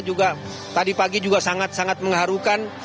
juga tadi pagi juga sangat sangat mengharukan